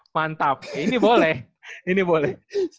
mantap ini boleh ini boleh